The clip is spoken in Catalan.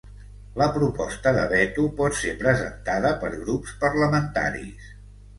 La proposta de veto pot ser presentada per grups parlamentaris.